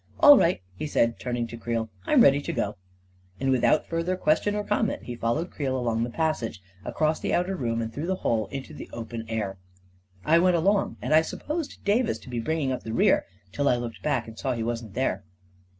"All right," he said, turning to Creel, "I'm ready to go," and without further question or com* ment, he followed Creel along the passage, across the outer room, and through the hole into the open air. I went along, and I supposed Davis to be bringing up the rear, till I looked bade and saw he wasn't there.